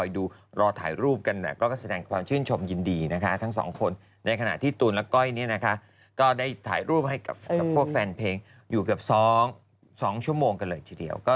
ดูเขาจับมือกันมือกันแน่แล้ว